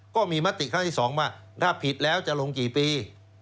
ก็มีมติครั้งที่๒ว่าถ้าผิดแล้วจะลงกี่ปี